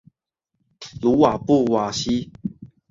鲁瓦布瓦西。